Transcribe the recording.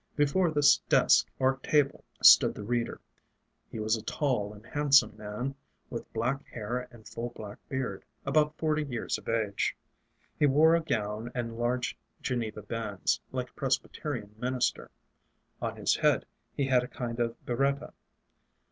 Before this desk or table stood the Reader. He was a tall and handsome man, with black hair and full black beard, about forty years of age. He wore a gown and large Geneva bands, like a Presbyterian minister; on his head he had a kind of biretta.